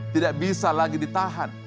tidak bisa lagi ditahan